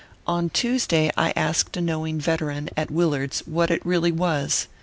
On Tuesday I asked a knowing veteran at Willard s what it really was.